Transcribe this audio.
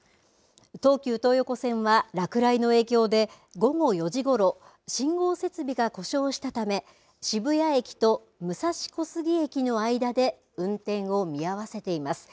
東急東横線は、落雷の影響で午後４時ごろ信号設備が故障したため渋谷駅と武蔵小杉駅の間で運転を見合わせています。